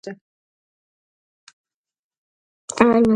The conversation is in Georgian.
გურაფა ღურა დღაშახ რენია."